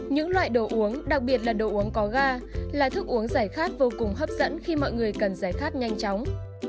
những loại đồ uống đặc biệt là đồ uống có ga là thức uống giải khát vô cùng hấp dẫn khi mọi người cần giải khát nhanh chóng